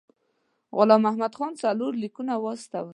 غلام محمد خان څلور لیکونه واستول.